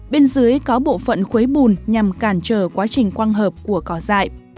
bên dưới có bộ phận khuấy bùn nhằm cản trở quá trình quang hợp của cỏ dại